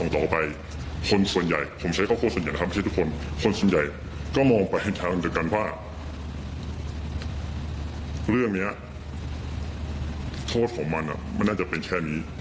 โทษของมันอ่ะมันน่าจะเป็นแค่นี้